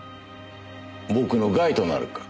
僕の害となるか。